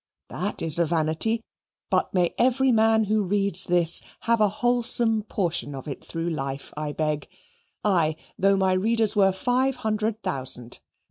That is a vanity, but may every man who reads this have a wholesome portion of it through life, I beg: aye, though my readers were five hundred thousand.